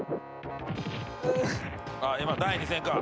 ああ今第２戦か。